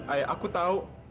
ayah aku tahu